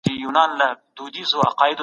که تاسو رښتيا ووايئ، خلګ به مو درناوی وکړي.